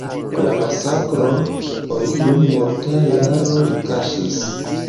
La masakron oni dum multaj jaroj kaŝis.